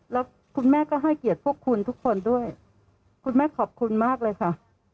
แล้วคุณแม่ก็ให้เกียรติพวกคุณทุกคนด้วยคุณแม่ขอบคุณมากเลยค่ะ